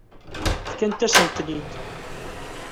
Fkant-asent-ten-id.